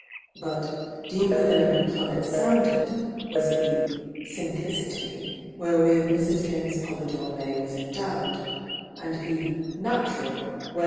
But "deeper than ever plummet sounded" was the "simplicity" where with Mrs. James Polydore May was endowed, and the natural way